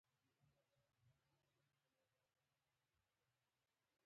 افغانستان د کندز سیند د پلوه ځانته ځانګړتیا لري.